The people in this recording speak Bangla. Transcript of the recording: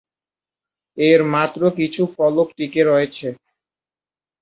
এর মাত্র কিছু ফলক টিকে রয়েছে।